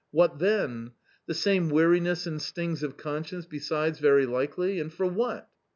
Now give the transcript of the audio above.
what then ? The same weariness and stings of conscience besides very likely, and for what